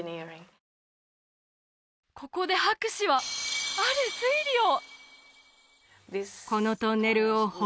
ここで博士はある推理を！